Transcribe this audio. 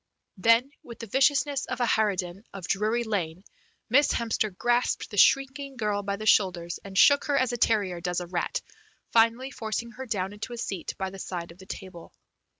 Then with the viciousness of a harridan of Drury Lane Miss Hemster grasped the shrinking girl by the shoulders, and shook her as a terrier does a rat, finally forcing her down into a seat by the side of the table.